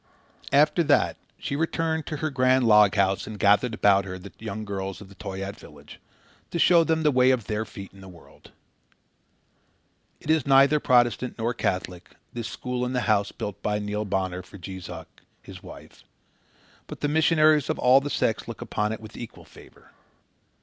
After that she returned to her grand log house and gathered about her the young girls of the Toyaat village, to show them the way of their feet in the world. It is neither Protestant nor Catholic, this school in the house built by Neil Bonner for Jees Uck, his wife; but the missionaries of all the sects look upon it with equal favour.